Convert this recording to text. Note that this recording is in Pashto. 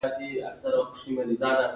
زما مور دې خدای وبښئ